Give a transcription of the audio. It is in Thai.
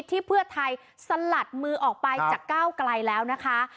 ที่เพื่อไทยสลัดมือออกไปจากก้าวไกลแล้วนะคะ